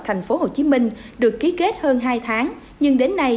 thành phố hồ chí minh được ký kết hơn hai tháng nhưng đến nay